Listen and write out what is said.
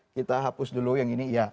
kita hapus dulu yang ini ya